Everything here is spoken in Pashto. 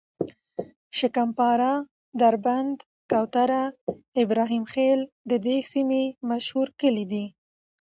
شکم پاره، دربند، کوتره، ابراهیم خیل د دې سیمې مشهور کلي دي.